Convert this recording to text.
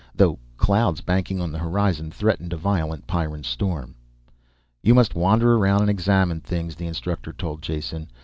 Though clouds banking on the horizon threatened a violent Pyrran storm. "You must wander around and examine things," the instructor told Jason.